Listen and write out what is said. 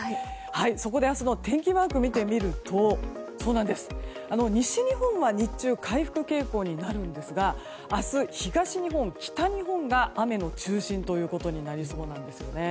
そこで明日の天気マークを見てみると西日本は日中回復傾向になるんですが明日、東日本、北日本が雨の中心となりそうです。